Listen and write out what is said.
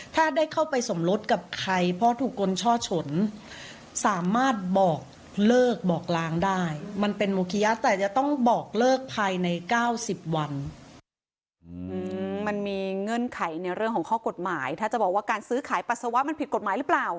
ถ้าได้เข้าไปสมรถกับใครเพราะถูกกลช่อฉนสามารถบอกเลิกบอกล้างได้